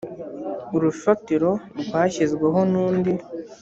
urufatiro rwashyizweho n undi